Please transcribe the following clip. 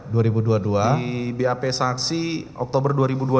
di bap saksi oktober dua ribu dua puluh